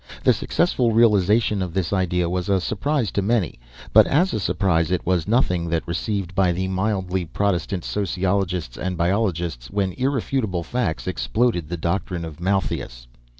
The successful realization of this idea was a surprise to many, but as a surprise it was nothing to that received by the mildly protestant sociologists and biologists when irrefutable facts exploded the doctrine of Malthus.